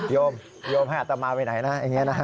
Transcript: โยมโยมให้อัตมาไปไหนนะอย่างนี้นะ